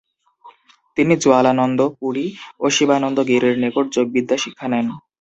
তিনি জোয়ালানন্দ পুরী ও শিবানন্দ গিরির নিকট যোগবিদ্যা শিক্ষা নেন।